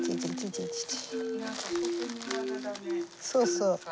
そうそう。